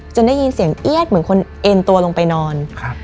ได้ยินเสียงเอี๊ยดเหมือนคนเอ็นตัวลงไปนอน